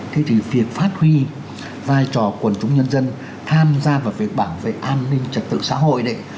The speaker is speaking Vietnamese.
thế thì việc phát huy vai trò quần chúng nhân dân tham gia vào việc bảo vệ an ninh trật tự xã hội